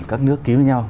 các nước ký với nhau